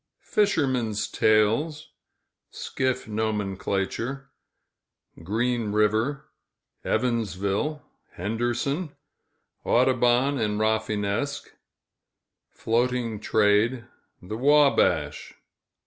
Fishermen's tales Skiff nomenclature Green River Evansville Henderson Audubon and Rafinesque Floating trade The Wabash.